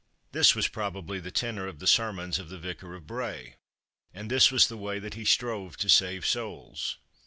This was probably the tenor of the sermons of the Vicar of Bray, and this was the way that he strove to save souls.